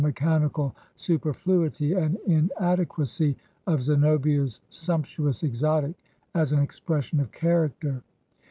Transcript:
mechanical superfluity and inadequacy of Zeno bia's sumptuous exotic, as an expression of character.